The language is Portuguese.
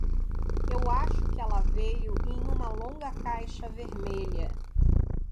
Eu acho que ela veio em uma longa caixa vermelha.